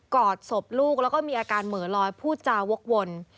อดศพลูกแล้วก็มีอาการเหมือลอยพูดจาวกวน